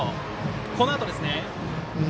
このあとですね。